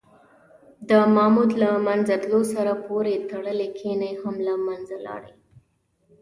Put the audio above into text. د ماموت له منځه تلو سره پورې تړلي کنې هم له منځه لاړې.